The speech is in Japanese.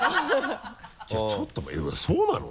いやちょっとそうなの？